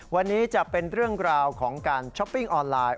วันนี้จะเป็นเรื่องราวของการช้อปปิ้งออนไลน์